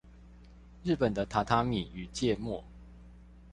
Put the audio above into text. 日本的榻榻米與芥末